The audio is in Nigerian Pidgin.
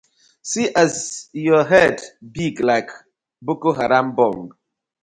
See as yu head big like Boko Haram bomb.